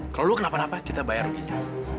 kalau lu kenapa napa kita bayar ruginya